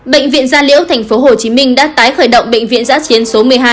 bệnh viện gia liễu tp hcm đã tái khởi động bệnh viện giã chiến số một mươi hai